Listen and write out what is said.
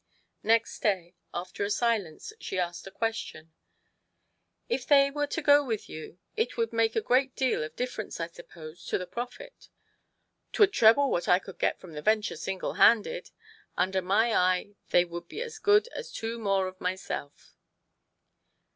Next day, after a silence, she asked a question " If they were to go with you it would make a great deal of difference, I suppose, to the profit ?"" 'T would treble what I should get from the venture single handed. Under my eye they would be as good as two more of myself."